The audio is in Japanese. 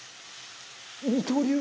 「二刀流！？」